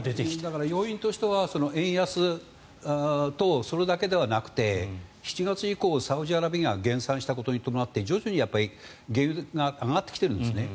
だから要因としては円安とそれだけではなくて７月以降サウジアラビア減産したことに伴って徐々に原油が上がってきているんですね。